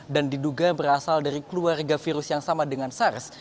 dan diduga berasal dari keluarga virus yang sama dengan sars